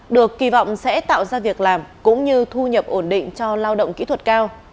được kỳ vọng sẽ tạo ra việc làm cũng như thu nhập ổn định cho lao động kỹ thuật cao